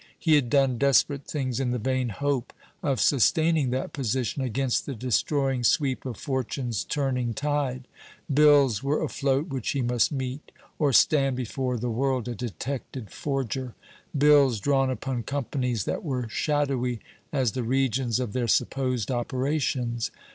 He had done desperate things in the vain hope of sustaining that position against the destroying sweep of Fortune's turning tide. Bills were afloat which he must meet, or stand before the world a detected forger, bills drawn upon companies that were shadowy as the regions of their supposed operations.